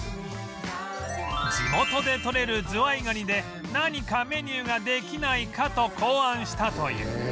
地元でとれるズワイガニで何かメニューができないかと考案したという